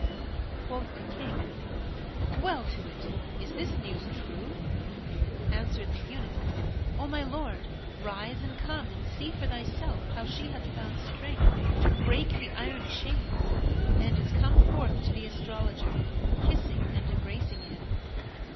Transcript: Quoth the King, "Look well to it, is this news true?" Answered the eunuch, "O my lord, rise and come and see for thyself how she hath found strength to break the iron chains and is come forth to the Astrologer, kissing and embracing him."